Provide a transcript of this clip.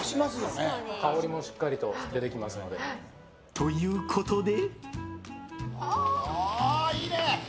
ということで。